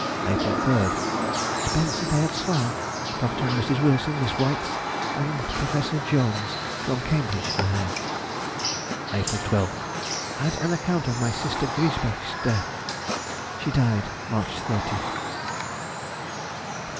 April 3rd.—Spent the day at Slough. Dr. and Miss Wilson, Miss Whites, and Professor Johnes, from Cambridge, were there. April 12th.—Had an account of my sister Griesbach's death. She died March 30th.